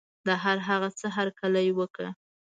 د هر هغه څه هرکلی وکړه.